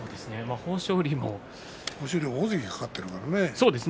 豊昇龍は大関が懸かっているからね。